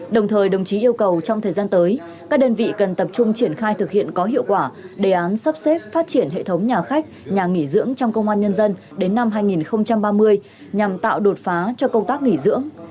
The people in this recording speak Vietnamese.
đồng thời đồng chí yêu cầu trong thời gian tới các đơn vị cần tập trung triển khai thực hiện có hiệu quả đề án sắp xếp phát triển hệ thống nhà khách nhà nghỉ dưỡng trong công an nhân dân đến năm hai nghìn ba mươi nhằm tạo đột phá cho công tác nghỉ dưỡng